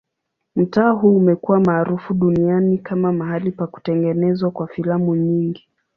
Mtaa huu umekuwa maarufu duniani kama mahali pa kutengenezwa kwa filamu nyingi.